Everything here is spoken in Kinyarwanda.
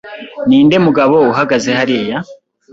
Ninde mugabo uhagaze hariya?